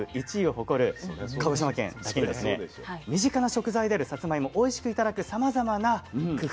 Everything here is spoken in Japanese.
身近な食材であるさつまいもおいしく頂くさまざまな工夫